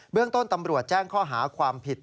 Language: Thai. เรื่องต้นตำรวจแจ้งข้อหาความผิด